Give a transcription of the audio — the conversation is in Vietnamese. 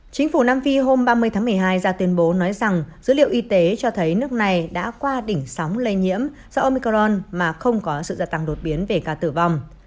chính phủ nam phi hôm ba mươi tháng một mươi hai ra tuyên bố nói rằng dữ liệu y tế cho thấy nước này đã qua đỉnh sóng lây nhiễm do omicron mà không có sự gia tăng đột biến về ca tử vong